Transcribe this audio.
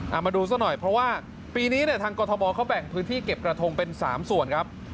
เอามาดูซะหน่อยเพราะว่าปีนี้เนี่ยทางกรทมเขาแบ่งพื้นที่เก็บกระทงเป็น๓ส่วนครับ